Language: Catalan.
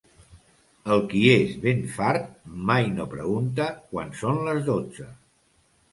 El qui és ben fart mai no pregunta quan són les dotze.